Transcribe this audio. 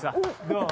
どう？